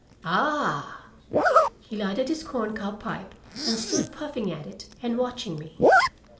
"Ah!" He lighted his corn cob pipe and stood puffing at it and watching me.